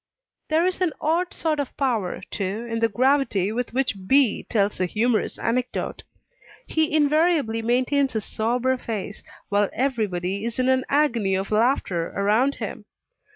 There is an odd sort of power, too, in the gravity with which B. tells a humorous anecdote. He invariably maintains a sober face while every body is in an agony of laughter around him.